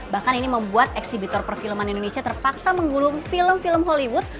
bahkan ini membuat eksibitor perfilman indonesia terpaksa menggulung film film hollywood